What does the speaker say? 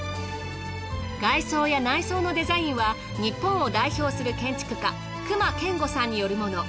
外装や内装のデザインは日本を代表する建築家隈研吾さんによるもの。